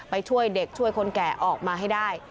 ไปช่วยเด็กช่วยคนแก่ออกมาให้ได้